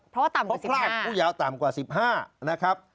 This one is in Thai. เพราะว่าต่ำกว่าสิบห้าเพราะว่าพรากผู้ยาวต่ำกว่าสิบห้านะครับ